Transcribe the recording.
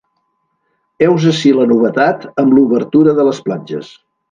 Heus ací la novetat amb l’obertura de les platges.